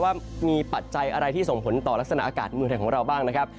ว่ามีปัจจัยอะไรที่ส่งผลต่อลักษณะอากาศเมืองไทยของเราบ้างนะครับ